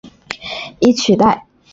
以取代。